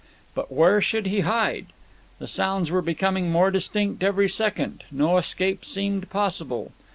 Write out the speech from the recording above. But where should he hide? The sounds were becoming more distinct every second; no escape seemed possible.